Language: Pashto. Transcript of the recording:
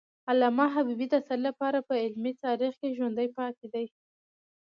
علامه حبیبي د تل لپاره په علمي تاریخ کې ژوندی پاتي دی.